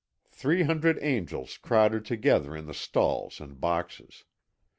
Three hundred angels crowded together in the stalls and boxes.